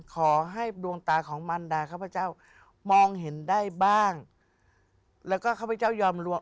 แดดดวงตากับพระเจ้าข้างซ้าย